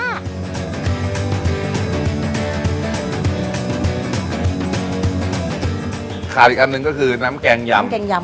ขายอีกอันนึงก็คือน้ำแกงยำ